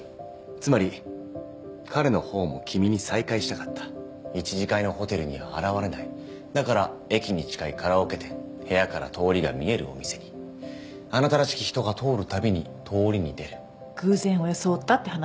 つまり彼のほうも君に再会したかった１次会のホテルには現れないだから駅に近いカラオケ店部屋から通りが見えるお店にあなたらしき人が通るたびに通りに出る偶然を装ったって話？